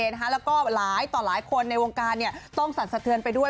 แล้วก็หลายต่อหลายคนในวงการต้องสั่นสะเทือนไปด้วย